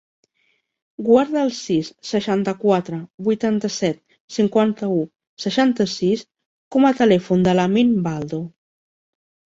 Guarda el sis, seixanta-quatre, vuitanta-set, cinquanta-u, seixanta-sis com a telèfon de l'Amin Baldo.